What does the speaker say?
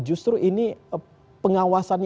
justru ini pengawasan